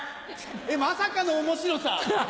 えっまさかの面白さ！